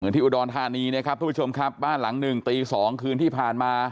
ที่อุดรธานีนะครับทุกผู้ชมครับบ้านหลังหนึ่งตี๒คืนที่ผ่านมา